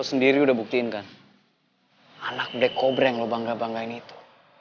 lo sendiri udah buktiin kan anak black cobra yang lo bangga banggain itu